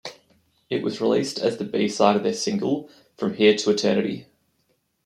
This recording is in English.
It was released as the B-side of their single "From Here to Eternity".